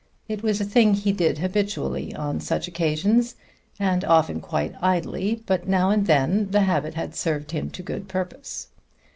It was a thing he did habitually on such occasions, and often quite idly, but now and then the habit had served him to good purpose.